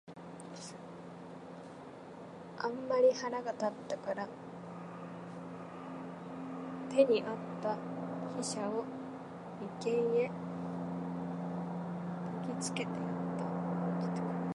あんまり腹が立つたから、手に在つた飛車を眉間へ擲きつけてやつた。